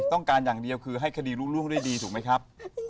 ต้องการอย่างเดียวคือให้คดีรุ้งดีถูกมั้ยครับ